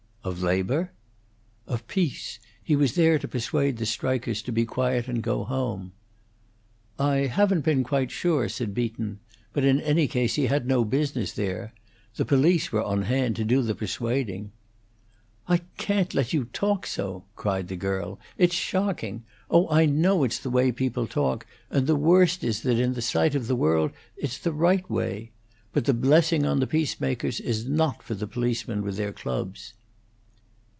"Of labor?" "Of peace. He was there to persuade the strikers to be quiet and go home." "I haven't been quite sure," said Beaton. "But in any case he had no business there. The police were on hand to do the persuading." "I can't let you talk so!" cried the girl. "It's shocking! Oh, I know it's the way people talk, and the worst is that in the sight of the world it's the right way. But the blessing on the peacemakers is not for the policemen with their clubs."